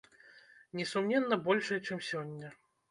Несумненна большай, чым сёння.